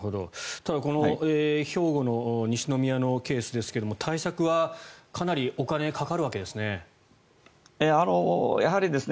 ただ、この兵庫県西宮市のケースですが対策はかなりお金、かかるわけですね。